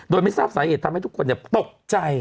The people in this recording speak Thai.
โดยไม่ทราบสาเหตุทำให้ทุกคนตกใจ